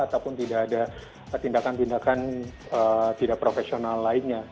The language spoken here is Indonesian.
ataupun tidak ada tindakan tindakan tidak profesional lainnya